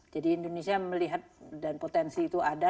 jadi indonesia melihat dan potensi itu ada